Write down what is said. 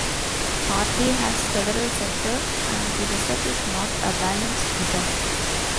Mardi has several centers, and the result is not a balanced design.